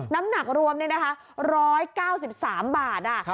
น้ำหนักรวมเนี้ยนะคะร้อยเก้าสิบสามบาทอ่ะ